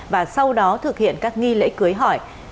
và sau đó thực hiện các nghi lễ cưới hỏi